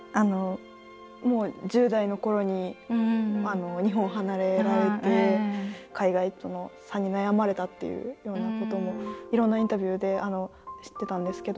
もう１０代のころに日本を離れられて海外との差に悩まれたっていうようなこともいろんなインタビューで知ってたんですけど。